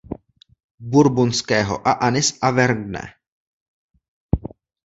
Bourbonského a Anny z Auvergne.